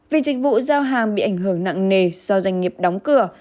vì dịch vụ giao hàng bị ảnh hưởng nặng nề do doanh nghiệp đóng cửa